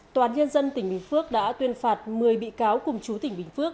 toàn nhân dân tỉnh bình phước đã tuyên phạt một mươi bị cáo cùng chú tỉnh bình phước